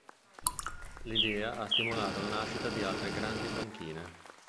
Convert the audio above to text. L'idea ha stimolato la nascita di altre grandi panchine.